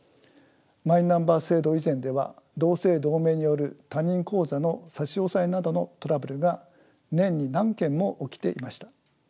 マイナンバー制度以前では同姓同名による他人口座の差し押さえなどのトラブルが年に何件も起きていました。